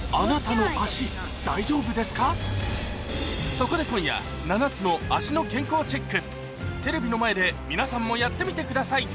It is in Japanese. そこで今夜７つの足の健康チェックテレビの前で皆さんもやってみてください